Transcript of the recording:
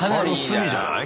隅じゃない？